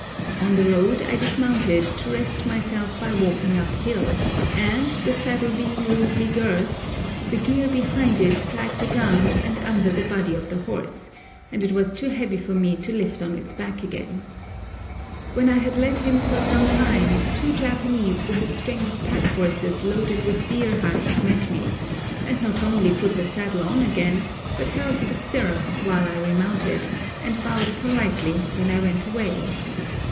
On the road I dismounted to rest myself by walking up hill, and, the saddle being loosely girthed, the gear behind it dragged it round and under the body of the horse, and it was too heavy for me to lift on his back again. When I had led him for some time two Japanese with a string of pack horses loaded with deer hides met me, and not only put the saddle on again, but held the stirrup while I remounted, and bowed politely when I went away.